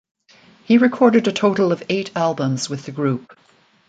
He recorded a total of eight albums with the group.